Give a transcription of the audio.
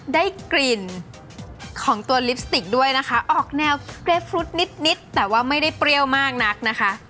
ได้กลิ่นของตัวลิปสติกด้วยนะคะออกแนวเกรฟรุดนิดแต่ว่าไม่ได้เปรี้ยวมากนักนะคะ